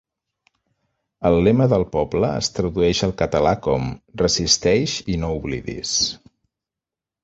El lema del poble es tradueix al català com: "Resisteix i no oblidis".